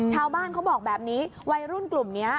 ชาวบ้านเขาบอกแบบนี้วัยรุ่นกลุ่มนี้